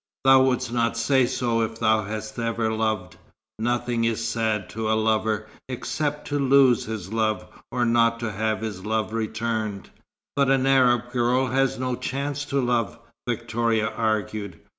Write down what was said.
"Thou wouldst not say so, if thou hadst ever loved. Nothing is sad to a lover, except to lose his love, or not to have his love returned." "But an Arab girl has no chance to love," Victoria argued.